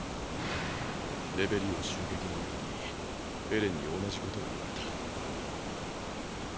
レベリオ襲撃の夜にエレンに同じことを言われた。